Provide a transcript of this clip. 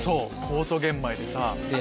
酵素玄米でさ。